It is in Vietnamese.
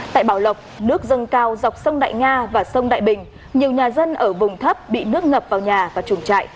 tại bảo lộc nước dâng cao dọc sông đại nga và sông đại bình nhiều nhà dân ở vùng thấp bị nước ngập vào nhà và chuồng trại